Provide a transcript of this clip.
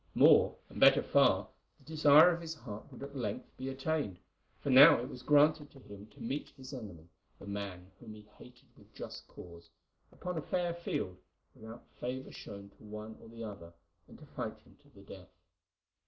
More, and better far, the desire of his heart would at length be attained, for now it was granted to him to meet his enemy, the man whom he hated with just cause, upon a fair field, without favour shown to one or the other, and to fight him to the death.